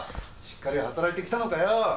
しっかり働いてきたのかよ！